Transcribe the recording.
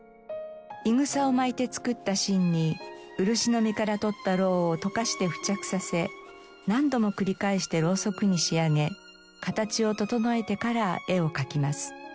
イグサを巻いて作った芯に漆の実から取った蝋を溶かして付着させ何度も繰り返してろうそくに仕上げ形を整えてから絵を描きます。